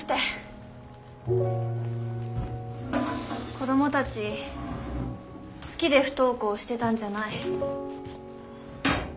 子供たち好きで不登校してたんじゃない。